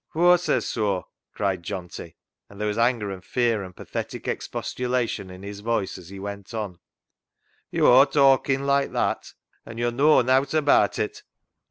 " Whoa says soa ?" cried Johnty, and there was anger and fear and pathetic expostulation in his voice as he went on —" Yo' aw talken like that, and yo' knaw nowt abaat it.